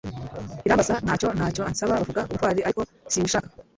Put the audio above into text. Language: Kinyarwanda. irambaza ntacyo. ntacyo ansaba bavuga ubutwari ariko simbishaka